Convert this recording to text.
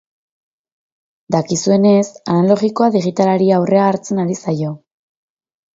Dakizuenez, analogikoa digitalari aurrea hartzen ari zaio.